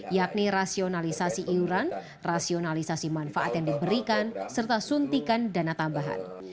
yakni rasionalisasi iuran rasionalisasi manfaat yang diberikan serta suntikan dana tambahan